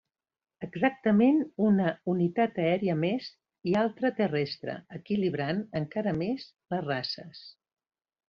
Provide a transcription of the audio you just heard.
Exactament una unitat aèria més, i altra terrestre, equilibrant encara més les races.